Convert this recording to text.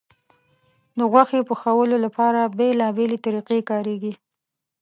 د غوښې پخولو لپاره بیلابیلې طریقې کارېږي.